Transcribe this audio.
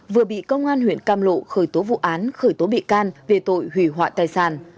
vừa bị công an huyện cam lộ khởi tố vụ án khởi tố bị can về tội hủy hoại tài sản